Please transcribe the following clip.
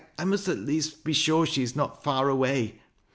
I must at least be sure she is not far away.